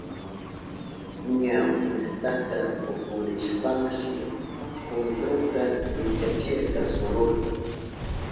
Ña fiestaka tukurishpanshi kuntruka likchachirka suruta.